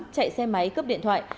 chạy xe máy cướp điện thoại